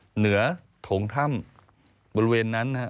เหนือถงถ้ำบริเวณนั้น